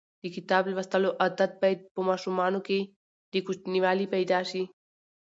د کتاب لوستلو عادت باید په ماشومانو کې له کوچنیوالي پیدا شي.